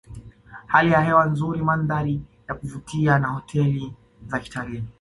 Hali ya hewa nzuri mandhari ya kuvutia na hoteli za kitalii